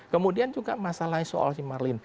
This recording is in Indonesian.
kemudian juga masalah soal si marlin